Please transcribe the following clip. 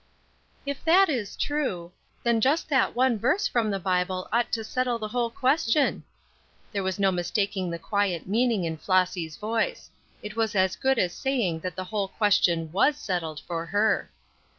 "If that is true, then just that one verse from the Bible ought to settle the whole question." There was no mistaking the quiet meaning in Flossy's voice; it was as good as saying that the whole question was settled for her.